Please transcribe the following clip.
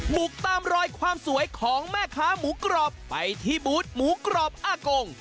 บุกตามรอยความสวยของแม่ค้าหมูกรอบไปที่บูธหมูกรอบอากง